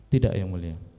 tidak yang mulia